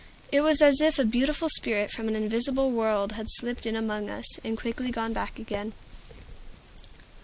It was as if a beautiful spirit from an invisible world had slipped in among us, and quickly gone back again.